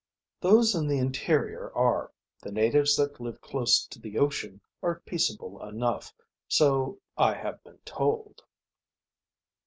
"Those in the interior are. The natives that live close to the ocean are peaceable enough, so I have been told."